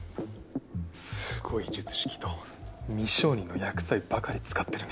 すごい術式と未承認の薬剤ばかり使ってるね